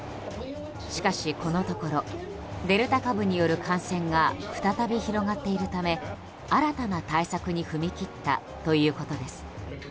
しかし、このところデルタ株による感染が再び広がっているため新たな対策に踏み切ったということです。